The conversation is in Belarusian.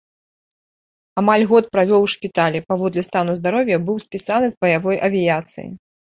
Амаль год правёў у шпіталі, паводле стану здароўя быў спісаны з баявой авіяцыі.